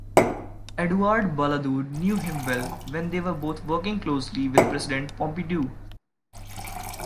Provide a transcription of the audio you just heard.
Edouard Balladur knew him well when they were both working closely with President Pompidou.